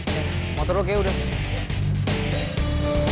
sekarang kita akanestreks kesini